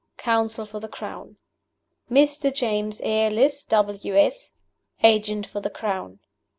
} Counsel for the Crown. MR. JAMES ARLISS, W. S., Agent for the Crown.